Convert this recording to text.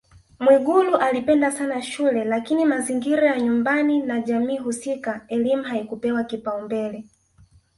Mwigulu alipenda sana shule lakini mazingira ya nyumbani na jamii husika elimu haikupewa kipaumbele